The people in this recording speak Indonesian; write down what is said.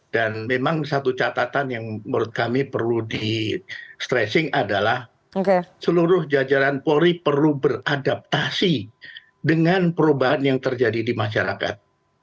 dan memang satu catatan yang menurut kami perlu di stressing adalah seluruh jajaran polri perlu beradaptasi dengan perubahan yang terjadi di masyarakat